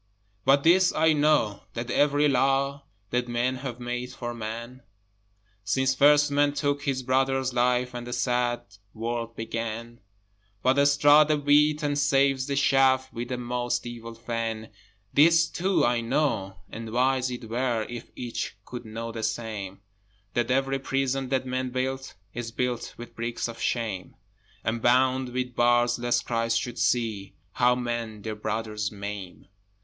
But this I know, that every Law That men have made for Man, Since first Man took his brother's life, And the sad world began, But straws the wheat and saves the chaff With a most evil fan. This too I know and wise it were If each could know the same That every prison that men build Is built with bricks of shame, And bound with bars lest Christ should see How men their brothers maim.